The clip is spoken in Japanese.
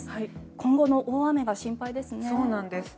今後の大雨が心配ですね。